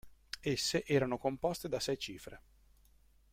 Esse erano composte da sei cifre.